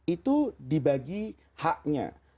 itu dibagi haknya